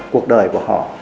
cuộc đời của họ